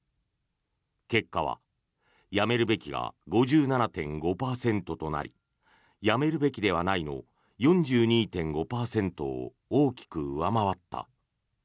結果は辞めるべきが５７．５％となり辞めるべきではないの４２．５％を大きく上回った。